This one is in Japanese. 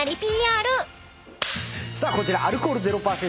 さあこちらアルコール０％